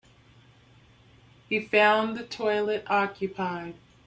He found the toilet occupied.